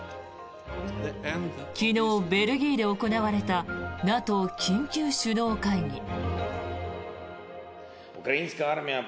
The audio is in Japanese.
昨日、ベルギーで行われたＮＡＴＯ緊急首脳会議。